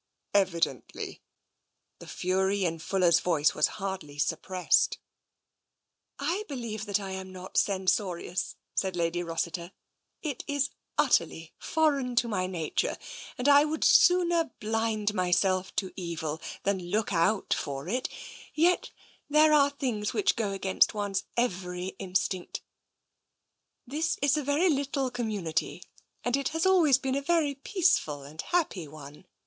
" Evidently." The fury in Fuller's voice was hardly suppressed. " I believe that I am not censorious," said Lady Rossiter. " It is utterly foreign to my nature, and I would sooner blind myself to evil than look out for it — yet there are things which go against one's every instinct. This is a very little community and has always been a very peaceful and happy one.